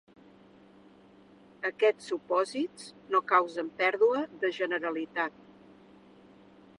Aquests supòsits no causen pèrdua de generalitat.